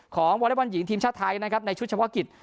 วอเล็กบอลหญิงทีมชาติไทยนะครับในชุดเฉพาะกิจ